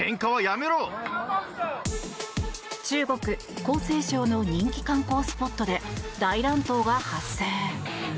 中国・江西省の人気観光スポットで大乱闘が発生。